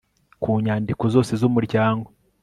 kunyandiko zose z umuryango